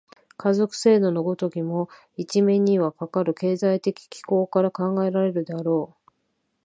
家族制度の如きも、一面にはかかる経済的機構から考えられるであろう。